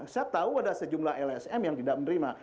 saya tahu ada sejumlah lsm yang tidak menerima